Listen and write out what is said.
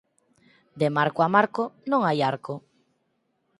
De marco a marco non hai arco.